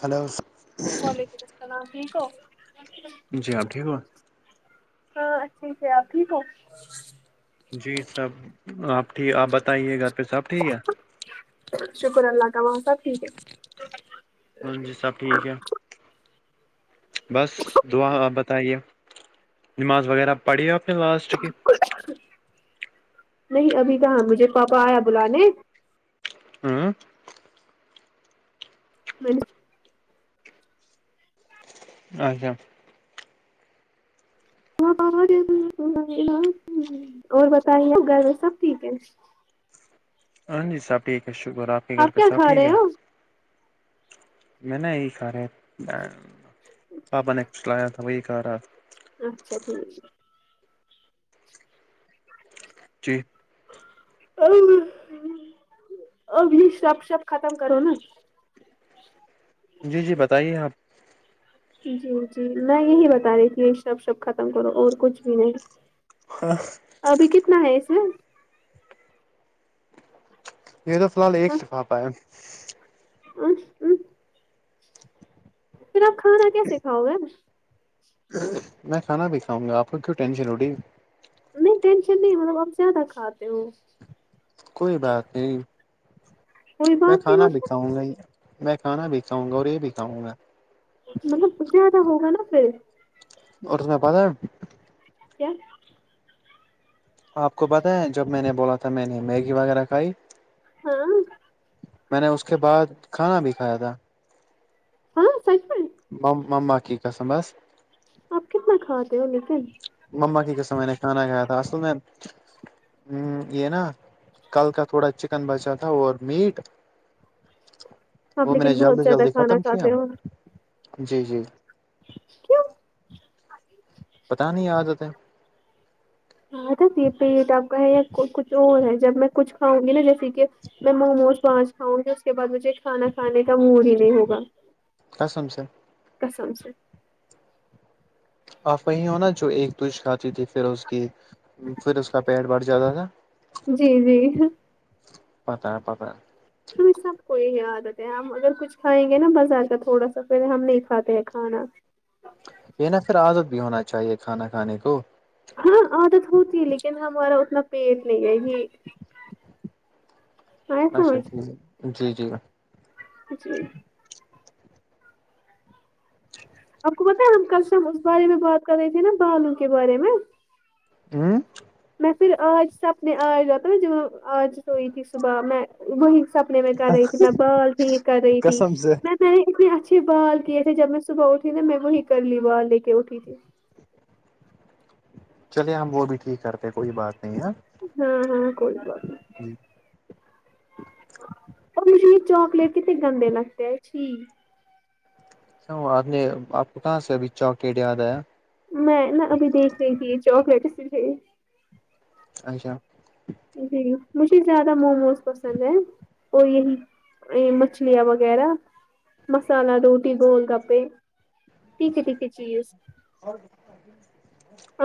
hello وعلیکم السلام ٹھیک ہو جی آپ ٹھیک ہو ہاں اچھے سے آپ ٹھییک ہو جی سب آپ ٹھیک آپ بتائیے گھر پے سب ٹھیک ہے شکر اللہ کا ہم سب ٹھیک ہے ہاں جی سب ٹھیک ہے بس دعا آپ بتائیے نماز وغیرہ پڑھی آپ نے لاسٹ کی نہیں ابھی کہاں مجھے پاپا آیا بلانے ہمم [unintelligible] اچھا وہاں [unintelligible] اور بتائی گھر میں سب ٹھیک ہے ہاں جی سر ٹھیک ہے شکر الحمد آپ کیا کھا رہے ہو میں نا یے کھا رہا یے پاپا نے کچھلایا تھا وہی کہا رہا تھا اچھا ٹھک جی اب یے شپ شپ ختم کرو نا جی جی بتائیے آپ جی جی میں یہی بتا رہی تھی سب سب ختم کرو اور کچھ بھی نہیں [unintelligible] ابھی کتنا ہے اس میں یے تو فی الحال ایک سفا پایا ا ا پھر آپ کھانا کیسے کھاؤ گے میں کھانا بھی کھاؤں گا آپ کو کیوں ٹینشن ہو رہی ہے نہیں ٹینشن نہیں مطلب آپ زیادہ کھاتے ہو کوئی بات نہیں کوئی میں بات نہیں کھانا بھی مطلب کھاو گا یے میں کھا بھی کھاؤ گا اور یے بھی کاؤں گا مطلب کچھ زیادہ ہوگا نا پھر [unintelligible] کیا آپ کو پتائیں جب میں نے بولا تھا میں نے میگی وغیرہ کھائی ہاں میں نے اس کے بعد کھانا بھی کھایا تھا ہاں سچ میں مما کی قسم بس آپ کتنا کھاتے ہو لیکن مما کی قسم میں نے کھانا کھایا تھا اصل میں یے نا کل کا تھوڑا چکن بچا تھا اور میٹ آپ وہ میں نے لیکن بہت جلدی زیادہ جلدی کھانا ختم کیا کھاتے ہو جی جی کیوں پتہ نہیں عادت ہے ہاں پیٹ آپ کا ہے یا کچھ اور ہے جب میں کچھ کھاؤں گی نا جیسے کہ میں موموز سان [unintelligible] کھاؤں گی اس کے بعد مجھے کھانا کھانے کا موڈ ہی نہیں ہوگا قسم سے قسم سے آپ وہیں ہونا جو ایک دو شافعی تھی پھر وہ اس کی پھر اس کا پیٹ بھر جاتا تھا جی جی پتہ ہے پتہ ہم سب کوئی ہی عادت ہے ہم اگر کچھ کھائیں گے نا بس آتا تھوڑا سا پہل ہم نہیں کھاتے ہیں کھانا یے نہ پھر عادت بھی ہونا چاہیے کھانا کھانے کو ہاں عادت ہوتی ہے لیکن ہمارا اتنا پیٹ نہیں ہے آیا اچھا ٹھیک سمجھ ہے جی جی جی آپ کو پتہ ہے ہم کل ہم اس بارے میں بات کر رہے تھے نا بالوں کے بارے میں ہمم میں پھر آج سے اپنے آجاتے جہاں نا آج سوئی تھی صبح میں وہی سپنے میں کر رہی تھی میں بال ٹھیک کر رہی تھی قسم سے میں میں نے اتنے اچھے بال کیے تھے جب میں صبح اٹھی نا میں وہی کر لی بال لے کے اٹھی تھی چلے ہم وہ بھی ٹھیک کرتے کوئی بات نہیں ہے ہاں ہاں کوئی بات جی اور مجھے چواکلیٹ کتنے گندے لگتے ہیں چھی آپ نے آپ کو کہاں سے ابھی چوکلیٹ یاد آیا میں نا ابھی دیکھ رہی تھی چاکلیٹ اچھا جی مجھے زیادہ موموز پسند ہیں اور یہی یے مچھلیاں وغیرہ مسالہ روٹی گول گپے تیکھے تیکھے چیز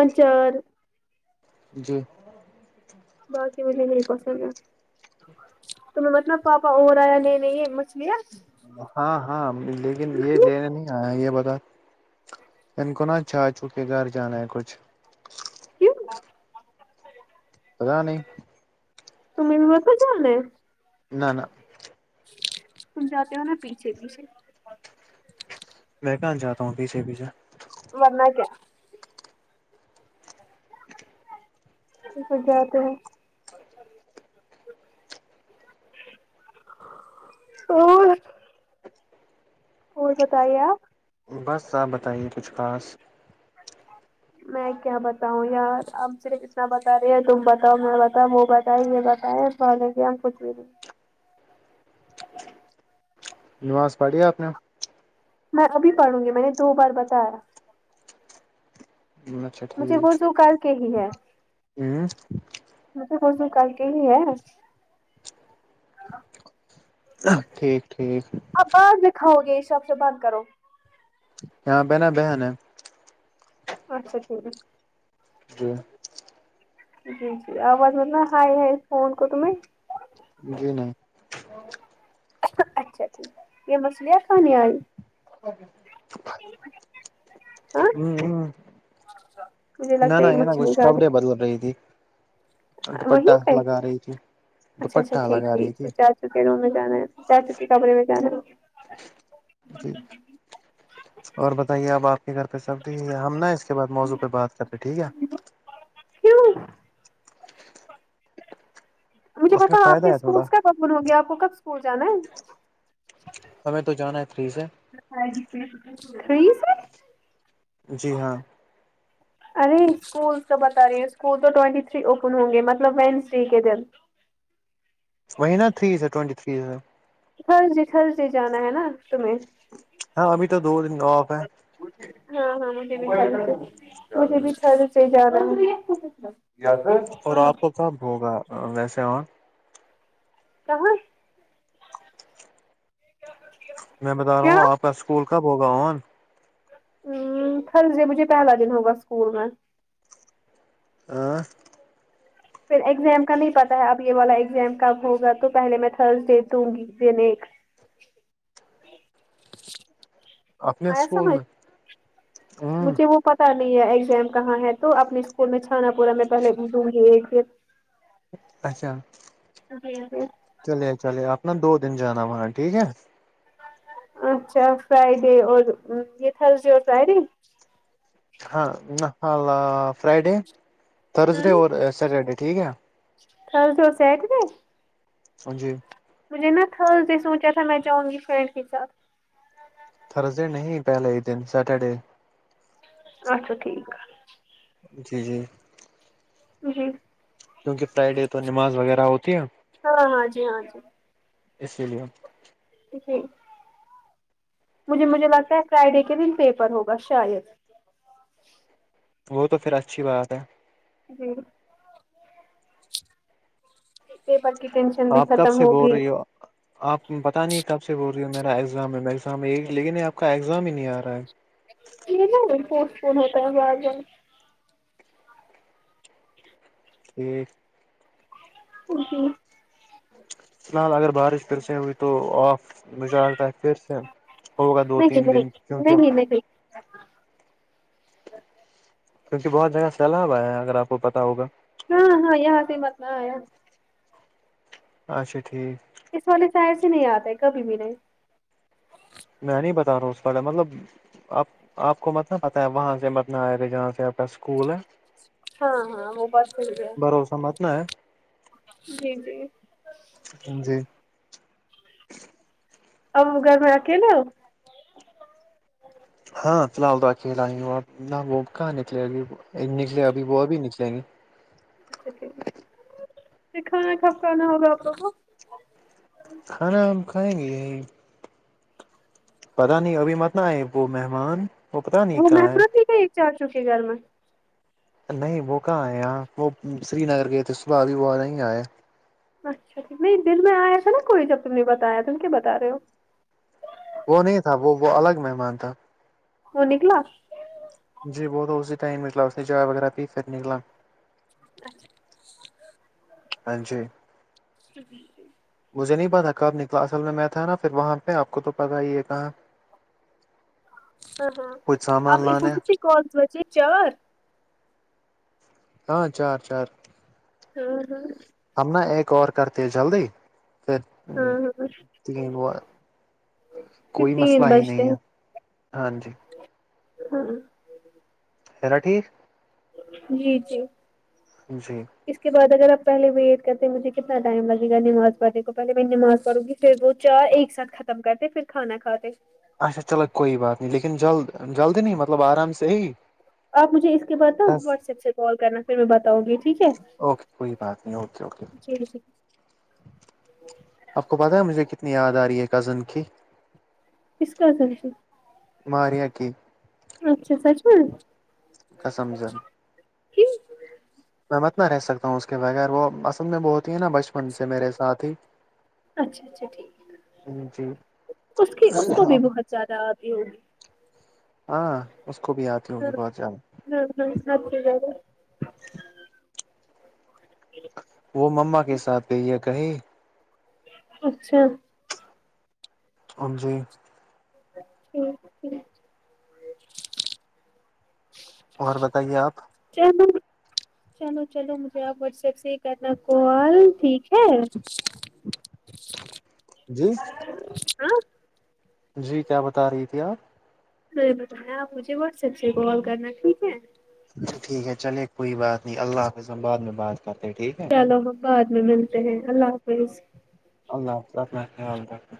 آچار جی باقی مجھے بھی نہیں پسند ہے تو میں مطلب پاپا اور آیا لینے یے مچھلیا ہاں ہاں لیکن یے لینے نہیں آیا یے بتا ان کو نا چھا چوں کے گھر جانا ہے کچھ کیوں پتہ نہیں تم بھی [unintelligible] نہ نہ تم جاتے ہو نا پیچھے پیچھے میں کہاں جاتتا ہوں پیچھے پیچھے ورنہ کیا [unintelligible] اور اور بتایے آپ بس آپ بتائیے کچھ خاص میں کیا بتاؤں یار آپ صرف اتنا بتا رہے ہیں تم بتاؤ میں بتاؤ وہ بتائے یے بتاے [unintelligible] نماز پڑھی ہے آپ نے میں ابھی پڑھوں گی میں نے دو بار بتایا میں مجھے وزو کر کے ہی ہے ہوں مجھے وزو کر کے ہی ہے ٹھیک ٹھیک بعد مے کاؤ گے سب سے بند کرو یہاں پے نا بہن ہے اچھا ٹھیک ہے جی جی جی آواز مطلب ہائی ہے اس فون کو تمہیں جی نہیں یے مچھلیا کھانے آئی ہاں ہمم ہمم مجھے نہ لگتا ہے نہ یہ یے نا مچھلی کچھ کپڑے کھانے بدل رہی تھی وہیں دوپٹہ پے لگا رہی تھی اچھا اچھا دوپٹہ ٹھیک لگا رہی تھی چکے روم میں جانا ہے چا چو کے کپڑے میں جانا ہے جی اور بتائیے اب آپ کے گھر پے سب ٹھیک ہم نا اس کے بعد موضوع پے بات کرتے ٹھیک ہے کیوں مجھے اس میں پتاو آپ فائدہ کے ہے تھوڑا اسکولس کب اوپن ہوں گے آپ کو کب اسکول جانا ہے ہمیں تو جانا ہے تھری سے [unintelligible] جی ہاں [unintelligible] ارے اسکول تو بتا رہی ہیں اسکول تو ٹوینٹی تھری اوپن ہوں گے مطلب وینس ڈے کے دن وہ نا تھری سر ٹوونٹی تھری سے تھرز ڈے تھرز ڈے جانا ہے نا تمہیں ہاں ابھی تو دو دن آف ہے ہاں ہاں مجھے بھی مجھے بھی تھرسڈے جانا ہے [unintelligible] اور آپ کو کب ہوگا ویسے اور کہاں میں بتا رہا کیا ہوں آپ کا اسکول کب ہوگا ان ہمم تھرز ڈے مجھے پہلا دن ہوگا اسکول میں ہاں پھر ایگزام کا نہیں پتا ہے اب یے والا ایگزام کب ہوگا تو پہلے میں تھرس ڈے دوں گی یے نیک اپنے آیا اسکول سمجھ میں ہ مجھے وہ پت تا نہیں ہے ایگزام کہاں ہے تو اپنے اسکول میں چھانا پورا میں پہلے دوں گی ایک پھر اچھا پھر چلیے چلیے اپنا دو دن جانا وہاں ٹھیک ہے اچھا فرائیڈے اور یے تھرسڈے اور فرائیڈے ہاں نہ حالا فرائیڈے تھرزڈے اور سیٹرڈے ٹھیک ہے تھرسڈے اور سیٹرڈے ہاں جی مجھے نا تھرس ڈے سوچا تھا میں جاؤں گی فرینڈ کے ساتھ تھرزڈے نہیں پہلے ہی دن سیٹرڈے اچھا ٹھیک ہے جی جی جی کیونکہ فرائیڈے تو نماز وغیرہ ہوتی ہے ہاں ہاں جی ہاں جی اسی لیے جی مجھ مجھے لگتا ہے فرائیڈے کے دن پیپر ہوگا شاید وہ تو پھر اچھی بات ہے جی پیپر کی ٹینشن بھی آپ کب ختم سے بول ہوگی رہی ہو آپ پتہ نہیں کب سے بول رہی ہ میرا ایگزام ہے ایگزام ہے لیکن یہ آپ کا ایگزام ہی نہیں آ رہا ہے کینو پوسٹپوند ہوتا ہے بار بار اے اہم فی الحال اگر بارش پھر سے ہوئی تو آف مجھ لگتا ہے ہوگا دو نہیں تین دن نہیں کیونکہ نہیں نہیں کیونکہ بہت جگہ سیلاب آیا ہے اگر آپ کو پتا ہوگا ہاں ہاں یہاں سے مت نہ آیہ اچھا ٹھیک اس والے سائڈ سے نہیں آتے کبھی بھی نہی میں نہیں بتا رہا ہوں اس کا مطلب آپ آپ کو مت پتہ ہے وہاں سے متنا آ جہاں سے آپ کا اسکول ہے ہاں ہاں وہ بات ہے بھروسہ مت نا ہے سیم ٹو یو جی اپ گھر میں اکیلے ہو ہاں فی الحال تو اکیلا ہی ہو آب نہ وہ کھانے کے لیے نکلے گے ابھی نکلے ابھی وہ ابھی نکلیں گے اچھا پھر کھانا کہا کھانا ہوگا آپ لوگوں کو کھانا ہم کھائیں گے پتا نہیں ابھی مت نہ آئے پو وہ مہمان پتا نہیں وہ کہاں متنہ ہے بھی گئی چاچو کے گھر میں نہیں وہ کہاں آئے یہاں وہ سری نگر گئے تھے صبح ابھی وہ نہیں آئے اچھا جی نہیں دن میں آیا تھا نا کوئی جب تم نے بتایا تم کیا بتا رہے ہو وہ نہیں تھا وہ وہ الگ مہمان تھا وہ نکلا جی بہت اسی ٹائم نکلا اس نے چائے وغیرہ پی پھر نکلا اچھا ہاں جی [unintelligible] مجھے نہیں پتا کب نکلا اصل میں میں تھا نا پھر وہاں پہ آپ کو تو پتاہ ہی ہے کہاں [inaudible] ہاں ہاں کچھ اب سامان اففو لانے دی کی کالز بچے چار ہاں چار چار ہاں ہاں ہم نا ایک اور کرتے ہیں جلدی پھر ہاں ہاں تین وہ پھر کوئی مسئلہ تین ہی بجتے نہیں ہے ہیں ہاں جی ہاں سرا ٹھیک جی جی جی اس کے بعد اگر آپ پہلے ویٹ کرتے مجھے کتنا ٹائم لگےگا نماز پڑنے کو پہے میں نماز پڑوں گی پھر وہ چار ایک ساتھ ختم کرتے پھر کھانا کھاتے اچھا چلو کوئی بات نہیں لیکن جلد جلدی نہیں مطلب آرام سے ہی آپ مجھے اس کے بعدا دس واٹس ایپ سے کال کرنا پھر میں بتاؤں گی ٹھیک ہے اوک کوئی بات نہیں اوکے اوکے جی جی آپ کو پتاہ ہے مجھے کتنی یاد آ رہی ہے کزن کی اس کا کزن ماریہ کی اچھا سچ میں قسم سے میں مت نہ رہ سکتا ہوں اس کے بغیر وہ اصل میں وہ ہوتی ہے نا بچپن سے میرے ساتھ ہی اچھا اچھا ٹھیک جی اس کی اس کو بھی بہت زیادہ آتی ہوگی ہاں اس کو بھی آتی ہوگی بہت زیادہ ہاں ہاں حد سے زیادہ وہ مما کے ساتھ گئی ہے کہیں اچھا ہاں جی ٹھیک ٹھیک اور بتائیے آپ [unintelligible] چلو چلو مجھے آپ واٹس ایپ سے ہی کرنا کال ٹھیک ہے جی ہاں جی کیا بتا رہی تھی آپ میں نے بتیا آپ مجھے واٹسپ سے کال کرنا ٹھیک ہے ٹھیک ہے چلے کوئی بات نہیں اللہ حافظ ہم بعد میں بات کرتے ہیں ٹھیک ہے چلو ہم بعد میں ملتے ہیں اللہ حافظ اللہ حافظ اپنا خیال رکھنا